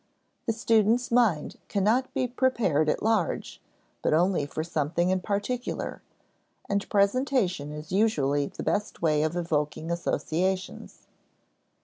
The student's mind cannot be prepared at large, but only for something in particular, and presentation is usually the best way of evoking associations.